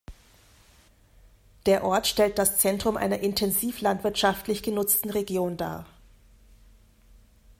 Der Ort stellt das Zentrum einer intensiv landwirtschaftlich genutzten Region dar.